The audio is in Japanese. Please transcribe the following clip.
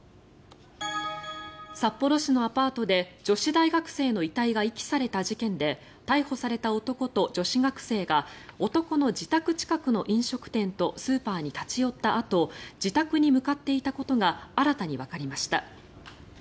札幌市のアパートで女子大学生の遺体が遺棄された事件で逮捕された男と女子学生が男の自宅近くの飲食店とスーパーに立ち寄ったあと自宅に向かっていたことが新たにわかりました。